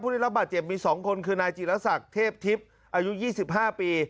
ได้รับบาดเจ็บมี๒คนคือนายจีรศักดิ์เทพทิพย์อายุ๒๕ปี